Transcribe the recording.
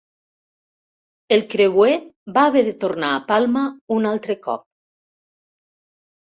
El creuer va haver de tornar a Palma un altre cop.